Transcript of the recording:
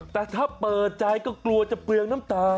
แต่ถ้าเปิดใจก็กลัวจะเปลืองน้ำตา